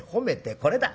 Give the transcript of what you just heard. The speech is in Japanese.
これだ。ね？